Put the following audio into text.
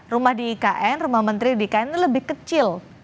rumah di ikn rumah menteri di ikn ini lebih kecil